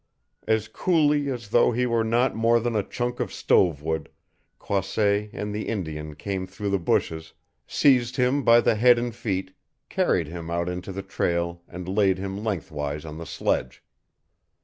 As coolly as though he were not more than a chunk of stovewood, Croisset and the Indian came through the bushes, seized him by the head and feet, carried him out into the trail and laid him lengthwise on the sledge.